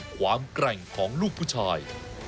แกร่งของลูกผู้ชาย